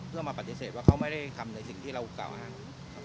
เพื่อมาปฏิเสธว่าเขาไม่ได้ทำในสิ่งที่เรากล่าวอาหารอือขอบคุณครับ